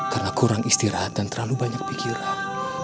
karena kurang istirahat dan terlalu banyak pikiran